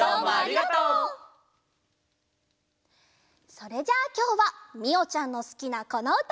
それじゃきょうはみおちゃんのすきなこのうた。